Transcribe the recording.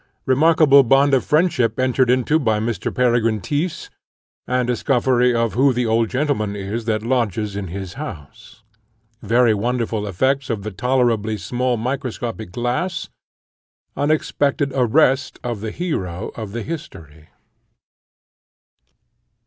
Remarkable bond of friendship entered into by Mr. Peregrine Tyss, and discovery of who the old gentleman is that lodges in his house. Very wonderful effects of a tolerably small microscopic glass. Unexpected arrest of the hero of the history.